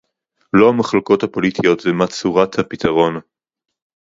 לא המחלוקות הפוליטיות ומה צורת הפתרון